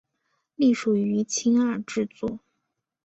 隶属于青二制作。